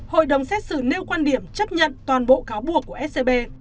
hội đồng xét xử nêu quan điểm chấp nhận toàn bộ cáo buộc của scb